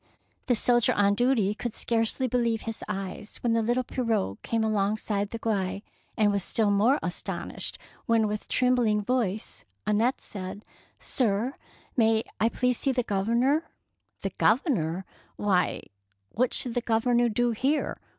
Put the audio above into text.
The soldier on duty could scarcely believe his eyes when the little pirogue came alongside the quay, and was still more astonished when with trembling voice Annette said, —" Sir, may I please see the Grovernor?^' " The Governor ! why, what should the Governor do here?